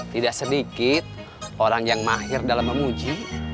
tidak sedikit orang yang mahir dalam memuji